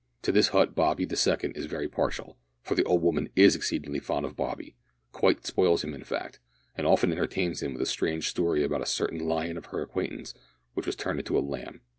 To this hut Bobby the second is very partial, for the old woman is exceedingly fond of Bobby quite spoils him in fact and often entertains him with strange stories about a certain lion of her acquaintance which was turned into a lamb.